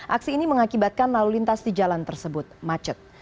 aksi ini mengakibatkan lalu lintas di jalan tersebut macet